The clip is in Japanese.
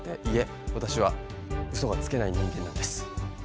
いえ私はうそがつけない人間なんです。